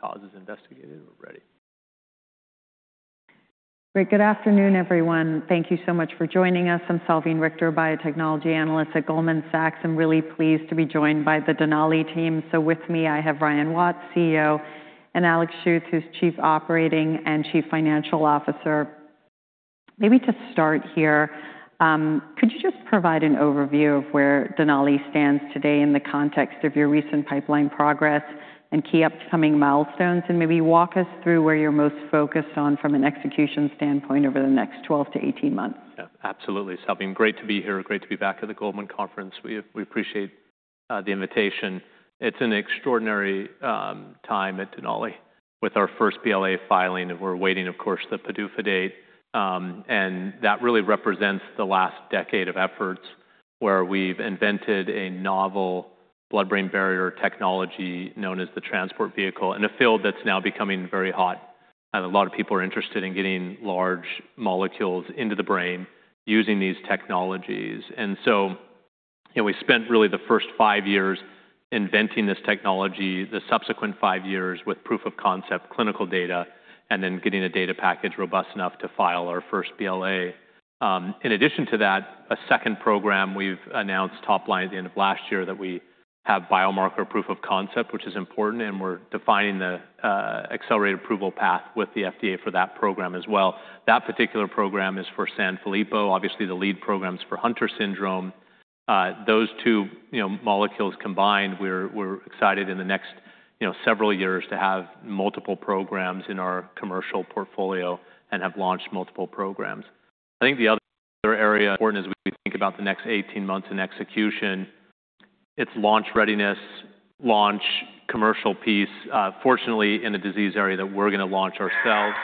Causes investigated already. Great. Good afternoon, everyone. Thank you so much for joining us. I'm Salveen Richter, biotechnology analyst at Goldman Sachs. I'm really pleased to be joined by the Denali team. With me, I have Ryan Watts, CEO, and Alex Schuth, who's Chief Operating and Chief Financial Officer. Maybe to start here, could you just provide an overview of where Denali stands today in the context of your recent pipeline progress and key upcoming milestones, and maybe walk us through where you're most focused on from an execution standpoint over the next 12-18 months? Absolutely, Salveen. Great to be here. Great to be back at the Goldman Conference. We appreciate the invitation. It's an extraordinary time at Denali with our first BLA filing, and we're awaiting, of course, the PDUFA date. That really represents the last decade of efforts where we've invented a novel blood-brain barrier technology known as the transport vehicle, in a field that's now becoming very hot. A lot of people are interested in getting large molecules into the brain using these technologies. We spent really the first five years inventing this technology, the subsequent five years with proof of concept, clinical data, and then getting a data package robust enough to file our first BLA. In addition to that, a second program we've announced top line at the end of last year that we have biomarker proof of concept, which is important, and we're defining the accelerated approval path with the FDA for that program as well. That particular program is for Sanfilippo. Obviously, the lead program is for Hunter syndrome. Those two molecules combined, we're excited in the next several years to have multiple programs in our commercial portfolio and have launched multiple programs. I think the other area important as we think about the next 18 months in execution, it's launch readiness, launch commercial piece. Fortunately, in a disease area that we're going to launch ourselves.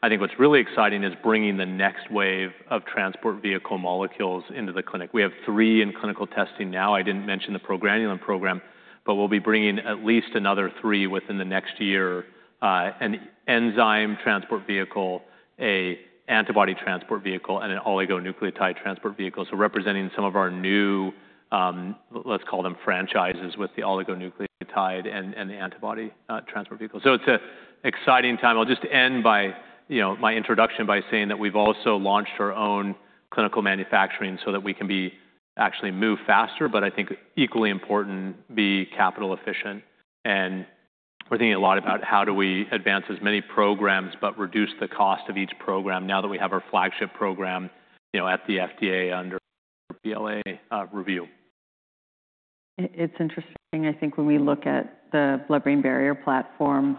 I think what's really exciting is bringing the next wave of transport vehicle molecules into the clinic. We have three in clinical testing now. I didn't mention the progranulin program, but we'll be bringing at least another three within the next year: an enzyme transport vehicle, an antibody transport vehicle, and an oligonucleotide transport vehicle. Representing some of our new, let's call them franchises with the oligonucleotide and the antibody transport vehicle. It's an exciting time. I'll just end my introduction by saying that we've also launched our own clinical manufacturing so that we can actually move faster, but I think equally important be capital efficient. We're thinking a lot about how do we advance as many programs but reduce the cost of each program now that we have our flagship program at the FDA under BLA review. It's interesting. I think when we look at the blood-brain barrier platform,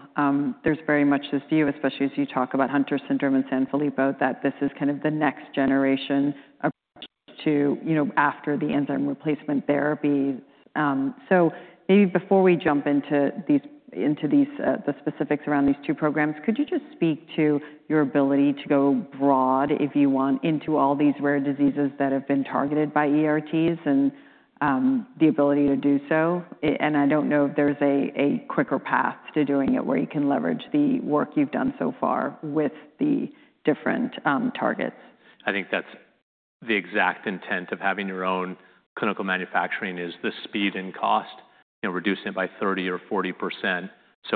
there's very much this view, especially as you talk about Hunter syndrome and Sanfilippo, that this is kind of the next generation approach to after the enzyme replacement therapies. Maybe before we jump into the specifics around these two programs, could you just speak to your ability to go broad, if you want, into all these rare diseases that have been targeted by ERTs and the ability to do so? I don't know if there's a quicker path to doing it where you can leverage the work you've done so far with the different targets. I think that's the exact intent of having your own clinical manufacturing is the speed and cost, reducing it by 30% or 40%.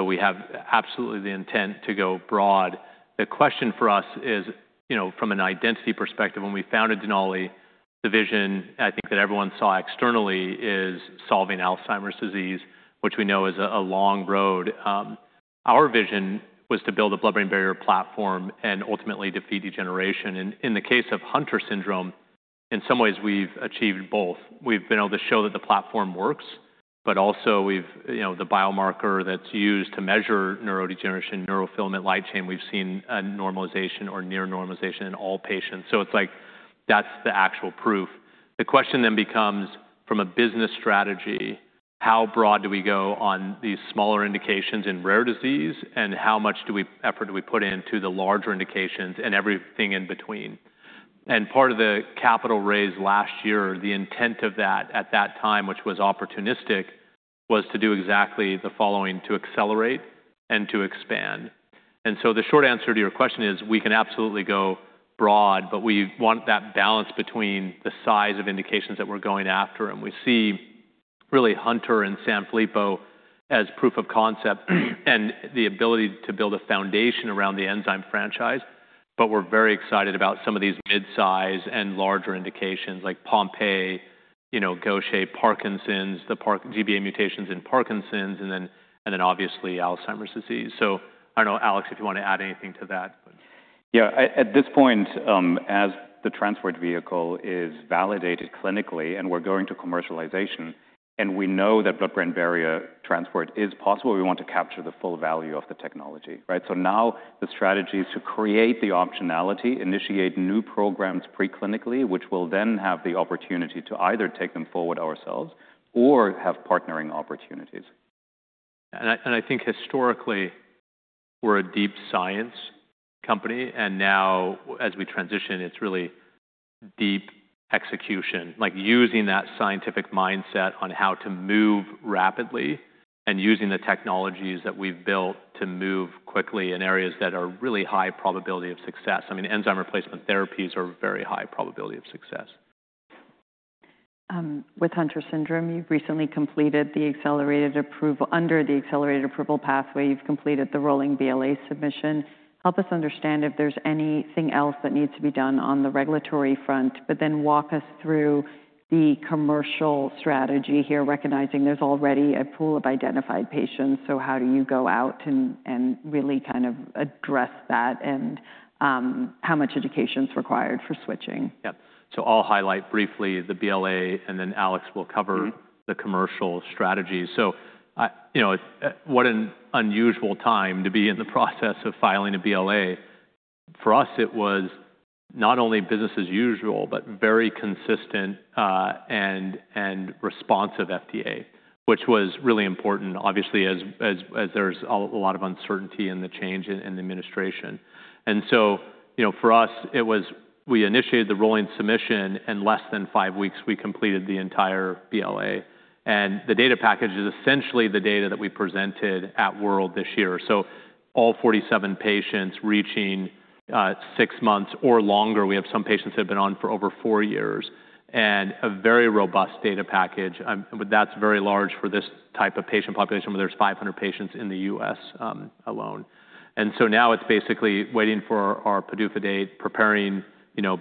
We have absolutely the intent to go broad. The question for us is, from an identity perspective, when we founded Denali, the vision I think that everyone saw externally is solving Alzheimer's disease, which we know is a long road. Our vision was to build a blood-brain barrier platform and ultimately defeat degeneration. In the case of Hunter syndrome, in some ways, we've achieved both. We've been able to show that the platform works, but also the biomarker that's used to measure neurodegeneration, neurofilament light chain, we've seen a normalization or near normalization in all patients. It's like that's the actual proof. The question then becomes, from a business strategy, how broad do we go on these smaller indications in rare disease and how much effort do we put into the larger indications and everything in between? Part of the capital raised last year, the intent of that at that time, which was opportunistic, was to do exactly the following: to accelerate and to expand. The short answer to your question is we can absolutely go broad, but we want that balance between the size of indications that we're going after. We see really Hunter and Sanfilippo as proof of concept and the ability to build a foundation around the enzyme franchise. We're very excited about some of these mid-size and larger indications like Pompe, Gaucher, Parkinson's, the GBA mutations in Parkinson's, and then obviously Alzheimer's disease. I do not know, Alex, if you want to add anything to that. Yeah. At this point, as the transport vehicle is validated clinically and we're going to commercialization, and we know that blood-brain barrier transport is possible, we want to capture the full value of the technology. Now the strategy is to create the optionality, initiate new programs preclinically, which will then have the opportunity to either take them forward ourselves or have partnering opportunities. I think historically we're a deep science company. Now as we transition, it's really deep execution, like using that scientific mindset on how to move rapidly and using the technologies that we've built to move quickly in areas that are really high probability of success. I mean, enzyme replacement therapies are very high probability of success. With Hunter syndrome, you've recently completed the accelerated approval under the accelerated approval pathway. You've completed the rolling BLA submission. Help us understand if there's anything else that needs to be done on the regulatory front, but then walk us through the commercial strategy here, recognizing there's already a pool of identified patients. How do you go out and really kind of address that and how much education is required for switching? Yeah. So I'll highlight briefly the BLA, and then Alex will cover the commercial strategy. What an unusual time to be in the process of filing a BLA. For us, it was not only business as usual, but very consistent and responsive FDA, which was really important, obviously, as there's a lot of uncertainty in the change in the administration. For us, we initiated the rolling submission, and in less than five weeks, we completed the entire BLA. The data package is essentially the data that we presented at World this year. All 47 patients reaching six months or longer. We have some patients that have been on for over four years and a very robust data package. That's very large for this type of patient population, where there's 500 patients in the US alone. Now it's basically waiting for our PDUFA date, preparing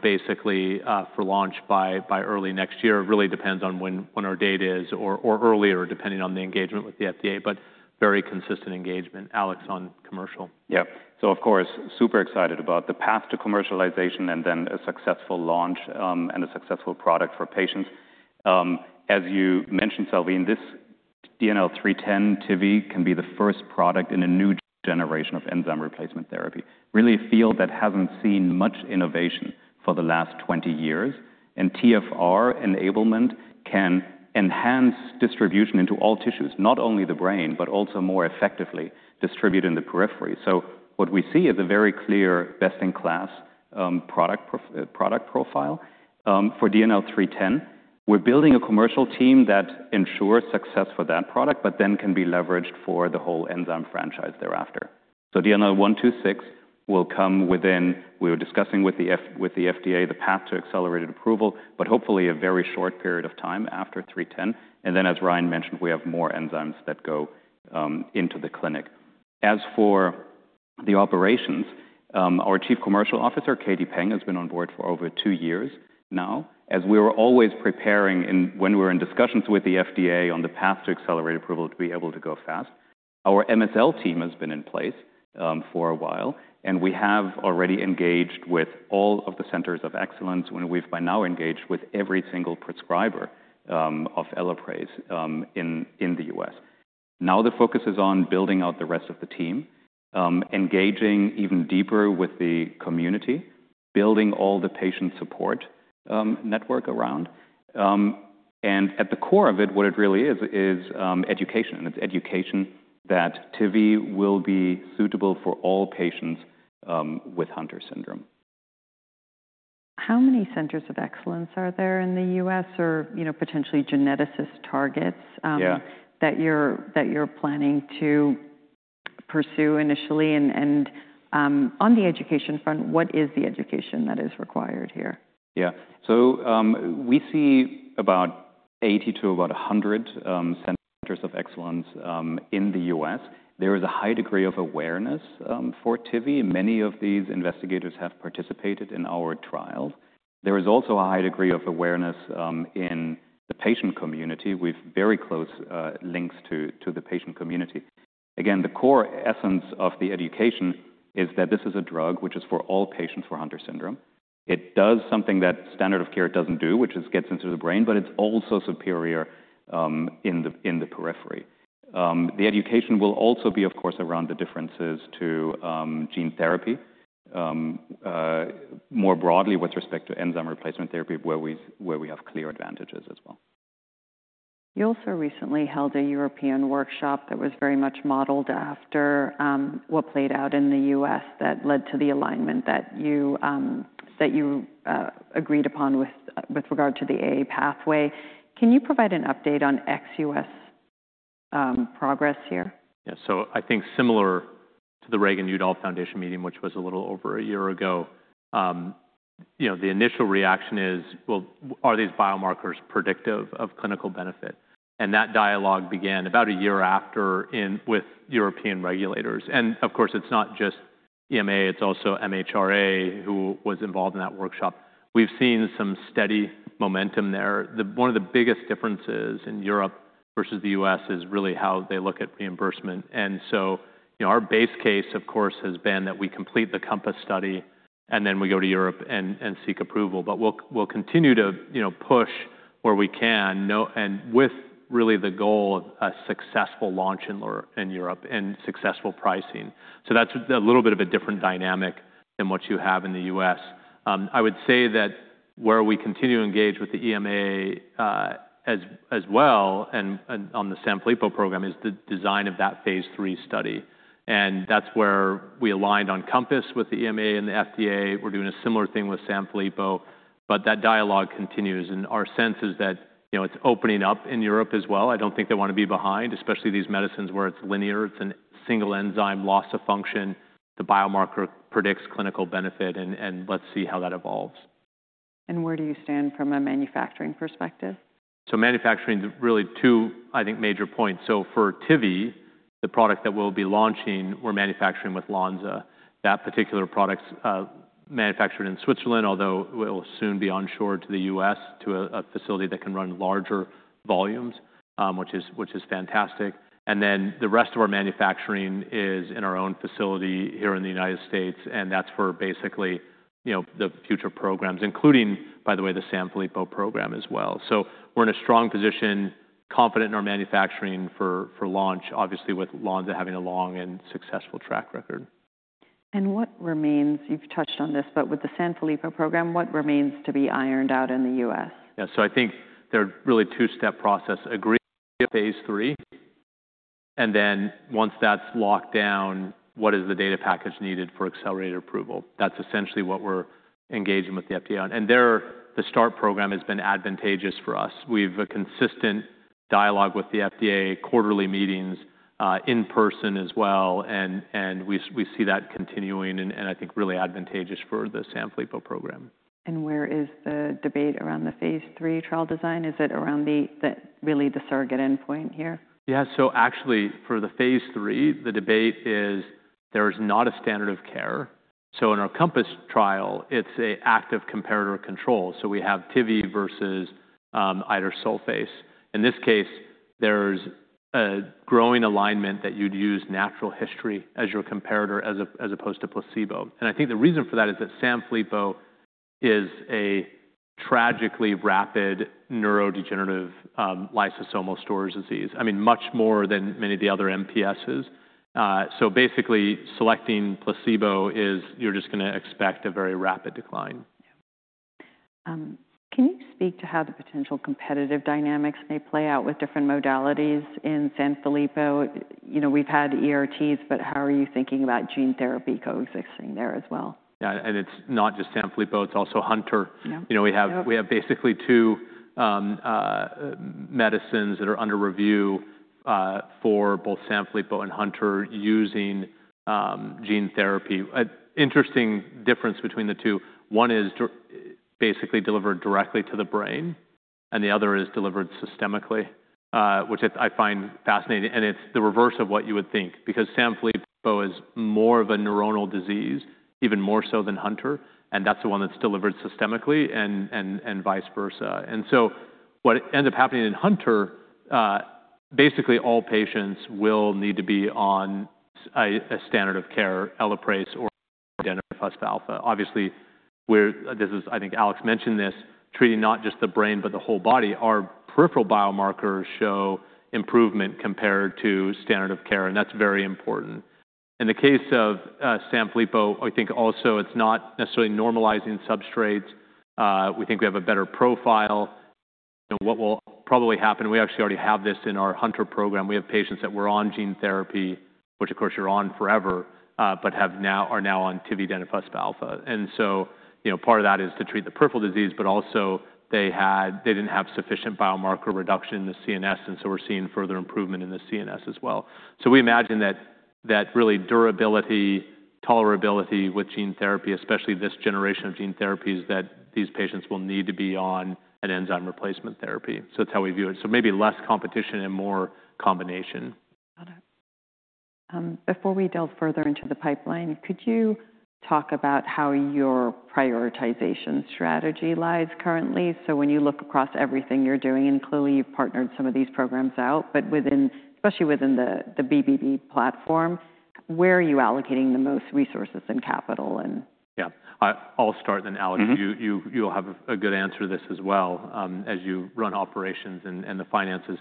basically for launch by early next year. It really depends on when our date is or earlier, depending on the engagement with the FDA, but very consistent engagement, Alex, on commercial. Yeah. Of course, super excited about the path to commercialization and then a successful launch and a successful product for patients. As you mentioned, Salveen, this DNL310 TfR can be the first product in a new generation of enzyme replacement therapy, really a field that has not seen much innovation for the last 20 years. TfR enablement can enhance distribution into all tissues, not only the brain, but also more effectively distribute in the periphery. What we see is a very clear best-in-class product profile for DNL310. We are building a commercial team that ensures success for that product, but then can be leveraged for the whole enzyme franchise thereafter. DNL126 will come within—we were discussing with the FDA the path to accelerated approval, but hopefully a very short period of time after 310. As Ryan mentioned, we have more enzymes that go into the clinic. As for the operations, our Chief Commercial Officer, Katie Peng, has been on board for over two years now. As we were always preparing when we were in discussions with the FDA on the path to accelerated approval to be able to go fast, our MSL team has been in place for a while, and we have already engaged with all of the centers of excellence, and we've by now engaged with every single prescriber of Elaprase in the U.S. Now the focus is on building out the rest of the team, engaging even deeper with the community, building all the patient support network around. At the core of it, what it really is, is education. It's education that tividenofusp alfa will be suitable for all patients with Hunter syndrome. How many centers of excellence are there in the U.S. or potentially geneticist targets that you're planning to pursue initially? On the education front, what is the education that is required here? Yeah. We see about 80 to about 100 centers of excellence in the U.S. There is a high degree of awareness for tivi. Many of these investigators have participated in our trials. There is also a high degree of awareness in the patient community. We have very close links to the patient community. Again, the core essence of the education is that this is a drug which is for all patients for Hunter syndrome. It does something that standard of care does not do, which is gets into the brain, but it is also superior in the periphery. The education will also be, of course, around the differences to gene therapy more broadly with respect to enzyme replacement therapy, where we have clear advantages as well. You also recently held a European workshop that was very much modeled after what played out in the U.S. that led to the alignment that you agreed upon with regard to the AA pathway. Can you provide an update on ex-U.S. progress here? Yeah. I think similar to the Reagan-Udall Foundation meeting, which was a little over a year ago, the initial reaction is, well, are these biomarkers predictive of clinical benefit? That dialogue began about a year after with European regulators. Of course, it is not just EMA, it is also MHRA who was involved in that workshop. We have seen some steady momentum there. One of the biggest differences in Europe versus the U.S. is really how they look at reimbursement. Our base case, of course, has been that we complete the COMPASS study and then we go to Europe and seek approval. We will continue to push where we can and with really the goal of a successful launch in Europe and successful pricing. That is a little bit of a different dynamic than what you have in the U.S. I would say that where we continue to engage with the EMA as well and on the Sanfilippo program is the design of that phase three study. That is where we aligned on COMPASS with the EMA and the FDA. We are doing a similar thing with Sanfilippo, but that dialogue continues. Our sense is that it is opening up in Europe as well. I do not think they want to be behind, especially these medicines where it is linear, it is a single enzyme loss of function. The biomarker predicts clinical benefit, and let us see how that evolves. Where do you stand from a manufacturing perspective? Manufacturing is really two, I think, major points. For tivi, the product that we'll be launching, we're manufacturing with Lonza. That particular product is manufactured in Switzerland, although it will soon be onshore to the United States to a facility that can run larger volumes, which is fantastic. The rest of our manufacturing is in our own facility here in the United States, and that's for basically the future programs, including, by the way, the Sanfilippo program as well. We're in a strong position, confident in our manufacturing for launch, obviously with Lonza having a long and successful track record. What remains? You've touched on this, but with the Sanfilippo program, what remains to be ironed out in the U.S.? Yeah. I think there are really two-step process. Agree to phase three, and then once that's locked down, what is the data package needed for accelerated approval? That's essentially what we're engaging with the FDA on. The START program has been advantageous for us. We have a consistent dialogue with the FDA, quarterly meetings, in person as well. We see that continuing, and I think really advantageous for the Sanfilippo program. Where is the debate around the phase three trial design? Is it around really the surrogate endpoint here? Yeah. So actually, for the phase three, the debate is there is not a standard of care. In our COMPASS trial, it is an active comparator control. We have tividenofusp alfa versus Elaprase. In this case, there is a growing alignment that you would use natural history as your comparator as opposed to placebo. I think the reason for that is that Sanfilippo is a tragically rapid neurodegenerative lysosomal storage disease, I mean, much more than many of the other MPSs. Basically, selecting placebo is you are just going to expect a very rapid decline. Can you speak to how the potential competitive dynamics may play out with different modalities in Sanfilippo? We've had ERTs, but how are you thinking about gene therapy coexisting there as well? Yeah. And it's not just Sanfilippo, it's also Hunter. We have basically two medicines that are under review for both Sanfilippo and Hunter using gene therapy. Interesting difference between the two. One is basically delivered directly to the brain, and the other is delivered systemically, which I find fascinating. It's the reverse of what you would think because Sanfilippo is more of a neuronal disease, even more so than Hunter, and that's the one that's delivered systemically and vice versa. What ends up happening in Hunter, basically all patients will need to be on a standard of care, Elaprase or idursulfase. Obviously, this is, I think Alex mentioned this, treating not just the brain, but the whole body. Our peripheral biomarkers show improvement compared to standard of care, and that's very important. In the case of Sanfilippo, I think also it's not necessarily normalizing substrates. We think we have a better profile. What will probably happen, we actually already have this in our Hunter program. We have patients that were on gene therapy, which of course you're on forever, but are now on tividenofusp alfa. And part of that is to treat the peripheral disease, but also they didn't have sufficient biomarker reduction in the CNS, and we're seeing further improvement in the CNS as well. We imagine that really durability, tolerability with gene therapy, especially this generation of gene therapies, that these patients will need to be on an enzyme replacement therapy. That's how we view it. Maybe less competition and more combination. Got it. Before we delve further into the pipeline, could you talk about how your prioritization strategy lies currently? When you look across everything you're doing, and clearly you've partnered some of these programs out, but especially within the BBB platform, where are you allocating the most resources and capital? Yeah. I'll start, then Alex. You'll have a good answer to this as well as you run operations and the finances.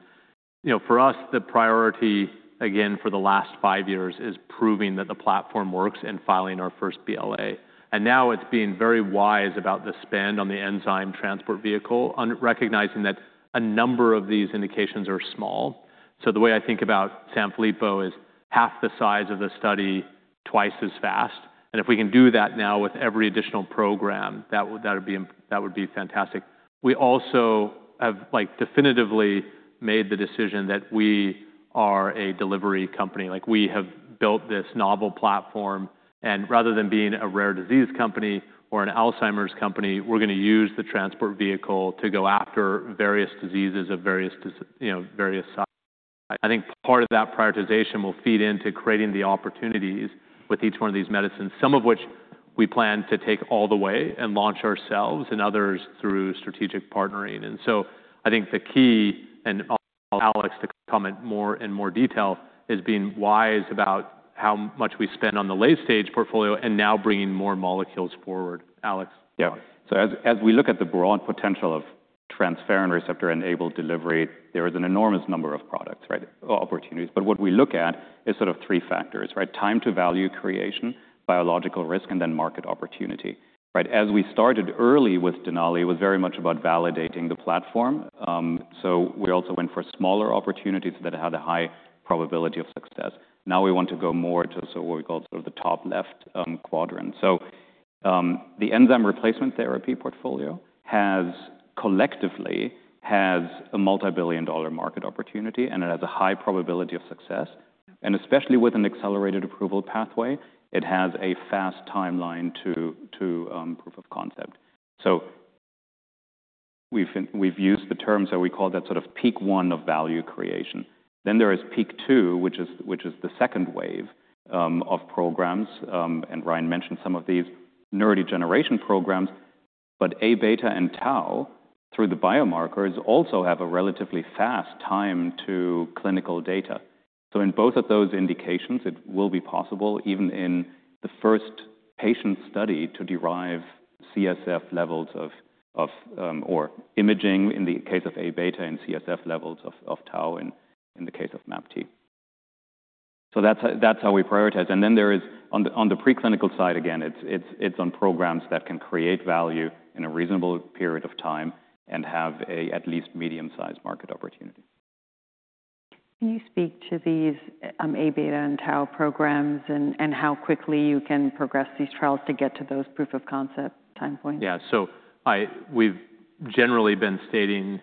For us, the priority, again, for the last five years is proving that the platform works and filing our first BLA. Now it's being very wise about the spend on the enzyme transport vehicle, recognizing that a number of these indications are small. The way I think about Sanfilippo is half the size of the study, twice as fast. If we can do that now with every additional program, that would be fantastic. We also have definitively made the decision that we are a delivery company. We have built this novel platform, and rather than being a rare disease company or an Alzheimer's company, we're going to use the transport vehicle to go after various diseases of various sizes. I think part of that prioritization will feed into creating the opportunities with each one of these medicines, some of which we plan to take all the way and launch ourselves and others through strategic partnering. I think the key, and I'll ask Alex to comment more in more detail, is being wise about how much we spend on the late-stage portfolio and now bringing more molecules forward. Alex? Yeah. As we look at the broad potential of transferrin receptor-enabled delivery, there is an enormous number of products, right, opportunities. What we look at is sort of three factors, right? Time to value creation, biological risk, and then market opportunity. As we started early with Denali, it was very much about validating the platform. We also went for smaller opportunities that had a high probability of success. Now we want to go more to what we call sort of the top left quadrant. The enzyme replacement therapy portfolio collectively has a multi-billion dollar market opportunity, and it has a high probability of success. Especially with an accelerated approval pathway, it has a fast timeline to proof of concept. We've used the terms, we call that sort of peak one of value creation. There is peak two, which is the second wave of programs, and Ryan mentioned some of these neurodegeneration programs, but A beta and tau through the biomarkers also have a relatively fast time to clinical data. In both of those indications, it will be possible, even in the first patient study, to derive cerebrospinal fluid levels or imaging in the case of A beta and cerebrospinal fluid levels of tau in the case of MAPT. That is how we prioritize. On the preclinical side, again, it is on programs that can create value in a reasonable period of time and have an at least medium-sized market opportunity. Can you speak to these amyloid beta and tau programs and how quickly you can progress these trials to get to those proof of concept time points? Yeah. We've generally been stating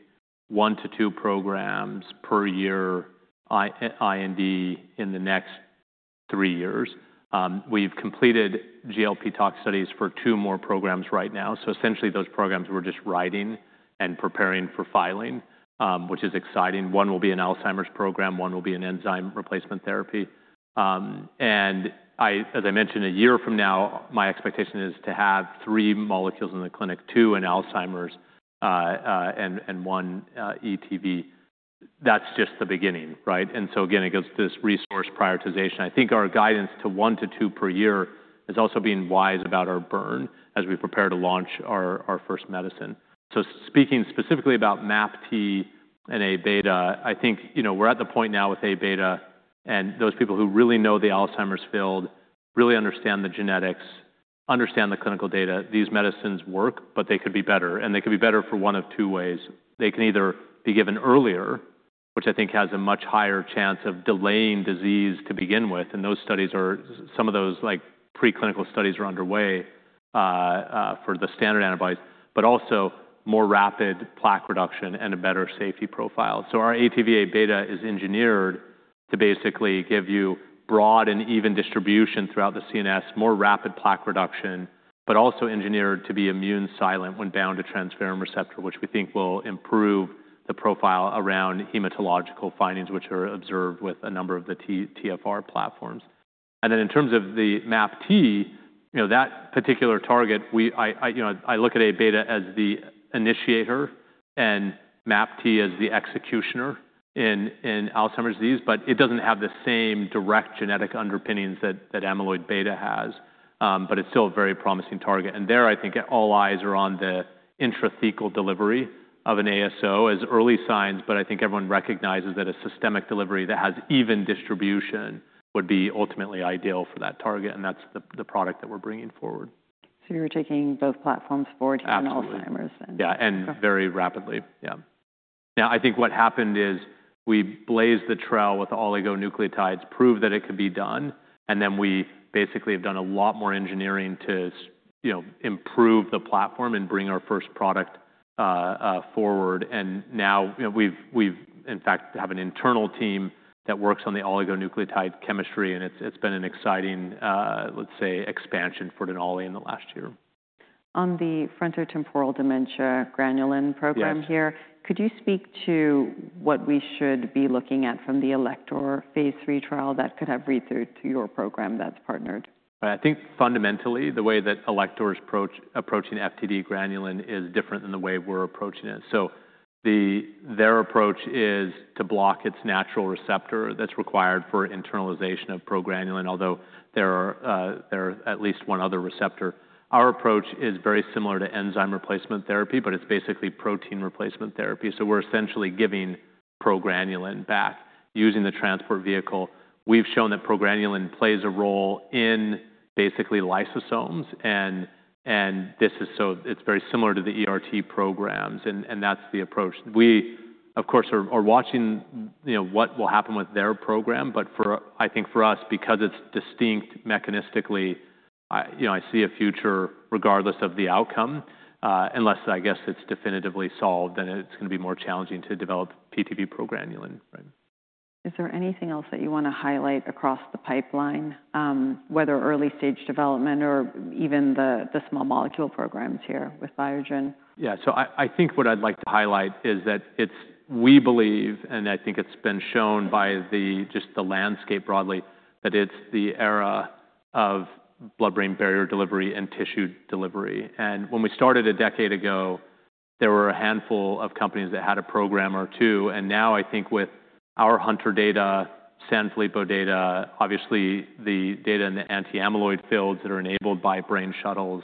one to two programs per year IND in the next three years. We've completed GLP TOX studies for two more programs right now. Essentially, those programs we're just writing and preparing for filing, which is exciting. One will be an Alzheimer's program, one will be an enzyme replacement therapy. As I mentioned, a year from now, my expectation is to have three molecules in the clinic, two in Alzheimer's and one ETV. That's just the beginning, right? Again, it goes to this resource prioritization. I think our guidance to one to two per year has also been wise about our burn as we prepare to launch our first medicine. Speaking specifically about MAPT and A beta, I think we're at the point now with A beta and those people who really know the Alzheimer's field, really understand the genetics, understand the clinical data, these medicines work, but they could be better. They could be better for one of two ways. They can either be given earlier, which I think has a much higher chance of delaying disease to begin with. Those studies, some of those preclinical studies are underway for the standard antibodies, but also more rapid plaque reduction and a better safety profile. Our ATV:Abeta is engineered to basically give you broad and even distribution throughout the CNS, more rapid plaque reduction, but also engineered to be immune silent when bound to transferrin receptor, which we think will improve the profile around hematological findings, which are observed with a number of the TfR platforms. In terms of the MAPT, that particular target, I look at A beta as the initiator and MAPT as the executioner in Alzheimer's disease, but it does not have the same direct genetic underpinnings that amyloid beta has, but it is still a very promising target. There, I think all eyes are on the intrathecal delivery of an ASO as early signs, but I think everyone recognizes that a systemic delivery that has even distribution would be ultimately ideal for that target, and that is the product that we are bringing forward. You're taking both platforms forward here in Alzheimer's. Yeah, and very rapidly. Yeah. Now, I think what happened is we blazed the trail with oligonucleotides, proved that it could be done, and then we basically have done a lot more engineering to improve the platform and bring our first product forward. Now we've, in fact, have an internal team that works on the oligonucleotide chemistry, and it's been an exciting, let's say, expansion for Denali in the last year. On the frontotemporal dementia progranulin program here, could you speak to what we should be looking at from the Alector phase three trial that could have read-through to your program that's partnered? I think fundamentally, the way that Alector's approaching FTD granulin is different than the way we're approaching it. Their approach is to block its natural receptor that's required for internalization of progranulin, although there are at least one other receptor. Our approach is very similar to enzyme replacement therapy, but it's basically protein replacement therapy. We're essentially giving progranulin back using the transport vehicle. We've shown that progranulin plays a role in lysosomes, and this is very similar to the ERT programs, and that's the approach. We, of course, are watching what will happen with their program, but I think for us, because it's distinct mechanistically, I see a future regardless of the outcome. Unless, I guess, it's definitively solved, then it's going to be more challenging to develop PTV progranulin. Is there anything else that you want to highlight across the pipeline, whether early-stage development or even the small molecule programs here with Biogen? Yeah. I think what I'd like to highlight is that we believe, and I think it's been shown by just the landscape broadly, that it's the era of blood-brain barrier delivery and tissue delivery. When we started a decade ago, there were a handful of companies that had a program or two. Now I think with our Hunter data, Sanfilippo data, obviously the data in the anti-amyloid fields that are enabled by brain shuttles,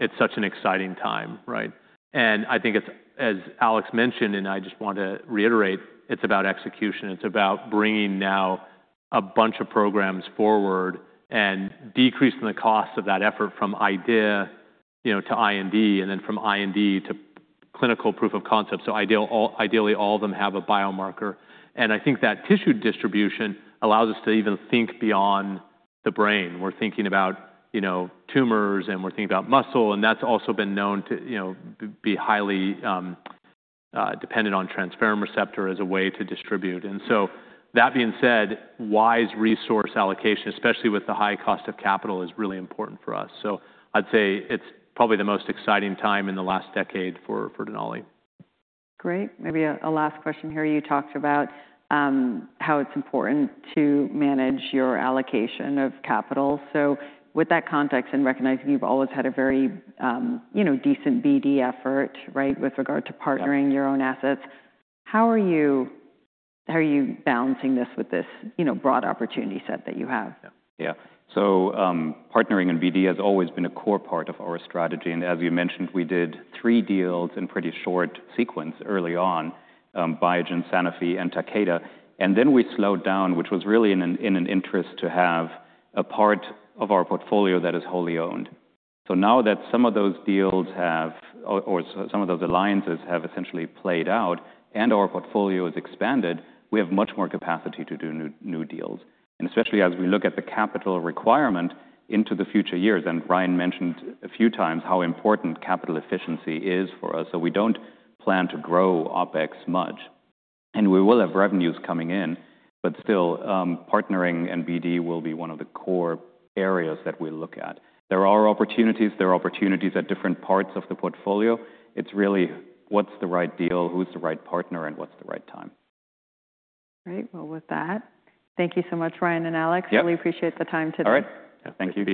it's such an exciting time, right? I think, as Alex mentioned, and I just want to reiterate, it's about execution. It's about bringing now a bunch of programs forward and decreasing the cost of that effort from idea to IND and then from IND to clinical proof of concept. Ideally, all of them have a biomarker. I think that tissue distribution allows us to even think beyond the brain. We're thinking about tumors, and we're thinking about muscle, and that's also been known to be highly dependent on transferrin receptor as a way to distribute. That being said, wise resource allocation, especially with the high cost of capital, is really important for us. I'd say it's probably the most exciting time in the last decade for Denali. Great. Maybe a last question here. You talked about how it's important to manage your allocation of capital. With that context and recognizing you've always had a very decent BD effort, right, with regard to partnering your own assets, how are you balancing this with this broad opportunity set that you have? Yeah. Partnering and BD has always been a core part of our strategy. As you mentioned, we did three deals in pretty short sequence early on, Biogen, Sanofi, and Takeda. Then we slowed down, which was really in an interest to have a part of our portfolio that is wholly owned. Now that some of those deals or some of those alliances have essentially played out and our portfolio has expanded, we have much more capacity to do new deals. Especially as we look at the capital requirement into the future years, and Ryan mentioned a few times how important capital efficiency is for us. We do not plan to grow OpEx much, and we will have revenues coming in, but still partnering and BD will be one of the core areas that we look at. There are opportunities. There are opportunities at different parts of the portfolio. It's really what's the right deal, who's the right partner, and what's the right time. Great. With that, thank you so much, Ryan and Alex. Really appreciate the time today. All right. Thank you.